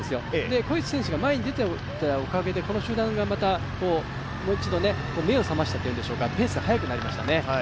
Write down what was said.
コエチ選手が前にでたおかげでこの集団がもう一度目を覚ましたというんでしょうか、ペースが速くなりましたね。